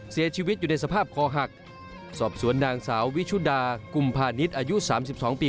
เสียชีวิตอยู่ในสภาพคอหักสอบสวนนางสาววิชุดากุมพาณิชย์อายุ๓๒ปี